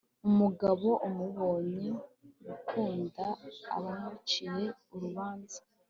umugabo, amubonye, gukunda abamuciriye urubanza